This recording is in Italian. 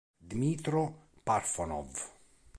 Dmytro Parf'onov